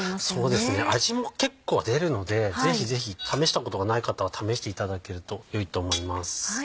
そうですね味も結構出るのでぜひぜひ試したことがない方は試していただけるとよいと思います。